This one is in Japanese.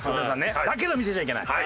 だけど見せちゃいけない。